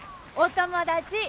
お友達。